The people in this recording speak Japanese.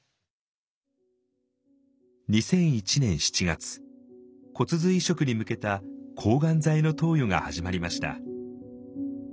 ２００１年７月骨髄移植に向けた抗がん剤の投与が始まりました。